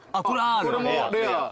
これもレア。